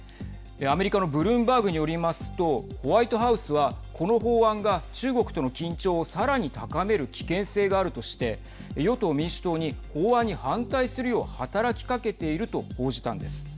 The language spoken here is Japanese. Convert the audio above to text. アメリカのブルームバーグによりますとホワイトハウスは、この法案が中国との緊張をさらに高める危険性があるとして与党・民主党に法案に反対するよう働きかけていると報じたんです。